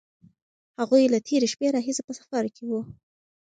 هغوی له تېرې شپې راهیسې په سفر کې وو.